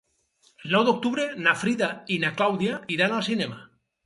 El nou d'octubre na Frida i na Clàudia iran al cinema.